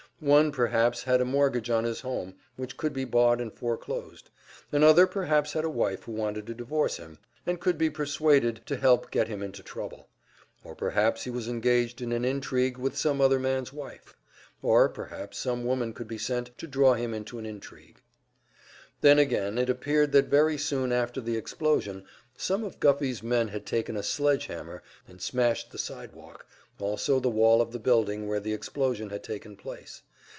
One perhaps had a mortgage on his home which could be bought and foreclosed; another perhaps had a wife who wanted to divorce him, and could be persuaded to help get him into trouble. Or perhaps he was engaged in an intrigue with some other man's wife; or perhaps some woman could be sent to draw him into an intrigue. Then again, it appeared that very soon after the explosion some of Guffey's men had taken a sledge hammer and smashed the sidewalk, also the wall of the building where the explosion had taken place.